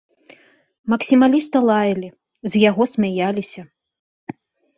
Максімаліста лаялі, з яго смяяліся.